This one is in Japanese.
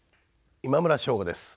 今村翔吾です。